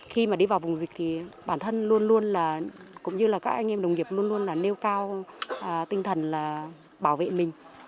khi mà đi vào vùng dịch thì bản thân luôn luôn là cũng như là các anh em đồng nghiệp luôn luôn là nêu cao tinh thần là bảo vệ mình